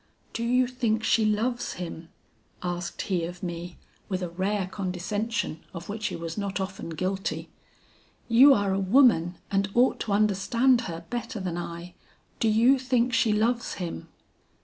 'Do you think she loves him?' asked he of me with a rare condescension of which he was not often guilty. 'You are a woman and ought to understand her better than I. Do you think she loves him?'